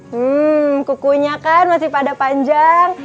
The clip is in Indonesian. hmm kukunya kan masih pada panjang